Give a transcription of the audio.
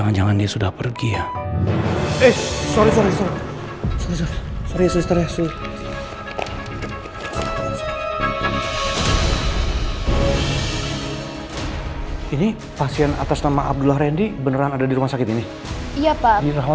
oke ya baik terima kasih